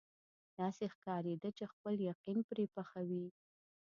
داسې ښکارېده چې خپل یقین پرې پخوي.